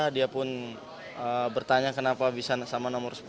dia pun bertanya kenapa bisa sama nomor sepuluh